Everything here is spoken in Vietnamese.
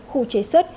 khu chế xuất